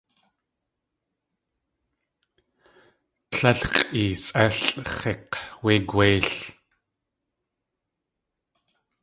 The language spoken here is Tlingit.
Líl x̲ʼeesʼélʼx̲ik̲ wé gwéil!